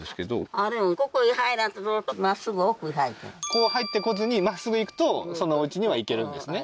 こう入ってこずにまっすぐ行くとそのおうちには行けるんですね？